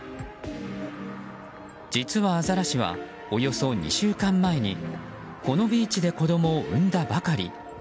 実は、アザラシはおよそ２週間前にこのビーチで子供を産んだばかり。